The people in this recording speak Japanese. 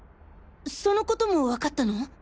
そのことも分かったの！？